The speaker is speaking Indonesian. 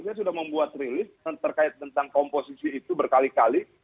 saya sudah membuat rilis terkait tentang komposisi itu berkali kali